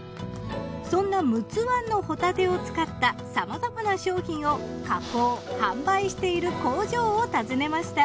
そんな陸奥湾のホタテを使ったさまざまな商品を加工・販売している工場を訪ねました。